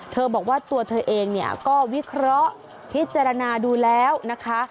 บอกว่าตัวเธอเองเนี่ยก็วิเคราะห์พิจารณาดูแล้วนะคะ